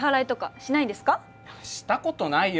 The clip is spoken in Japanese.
したことないよ。